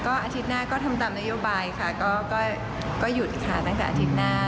อาทิตย์หน้าก็ทำตามนโยบายค่ะก็หยุดค่ะตั้งแต่อาทิตย์หน้า